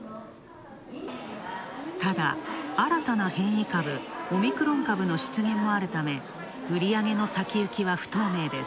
ただ、新たな変異株、オミクロン株の出現もあるため、売り上げの先行きは不透明です。